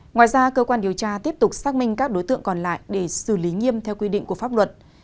ngoài ra cơ quan điều tra tiếp tục xác minh các đối tượng còn lại để xử lý nghiêm theo quy định của pháp luật